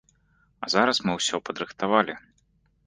А зараз мы ўсё падрыхтавалі.